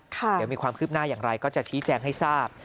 เดี๋ยวมีความคืบหน้าอย่างไรก็จะชี้แจงให้ทราบ